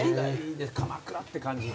鎌倉って感じで。